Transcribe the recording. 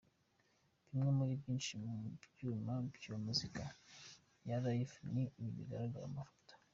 Bimwe muri byinshi mu byuma bya muzika ya Live ni ibi bigaragara mu mafoto.